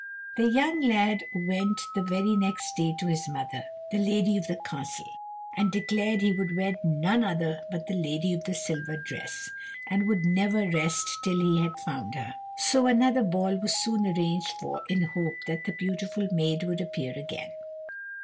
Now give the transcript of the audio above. The young lord went the very next day to his mother, the lady of the castle, and declared he would wed none other but the lady of the silver dress, and would never rest till he had found her. So another ball was soon arranged for in hope that the beautiful maid would appear again.